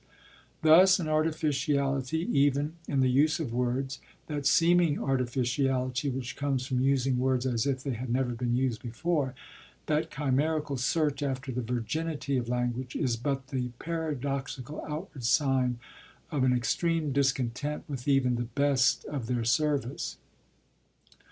Thus an artificiality, even, in the use of words that seeming artificiality which comes from using words as if they had never been used before, that chimerical search after the virginity of language is but the paradoxical outward sign of an extreme discontent with even the best of their service.